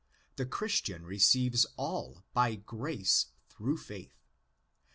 The Christian receives all by grace through faith.